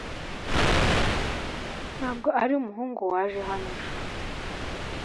ntabwo ari umuhungu waje hano ejo